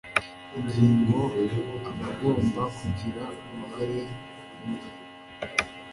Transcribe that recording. ingingo ya abagomba kugira uruhare muri